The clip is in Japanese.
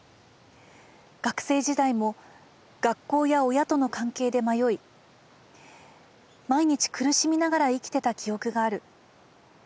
学生時代も学校や親との関係で迷い毎日苦しみながら生きてた記憶がある。